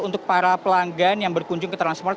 untuk para pelanggan yang berkunjung ke transmart